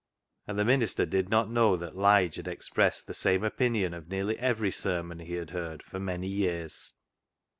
And the minister did not know that Lige had expressed the same opinion of nearly every sermon he had heard for many years.